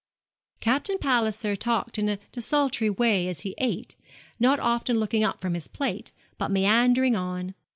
Captain Palliser talked in a desultory way as he ate, not often looking up from his plate, but meandering on.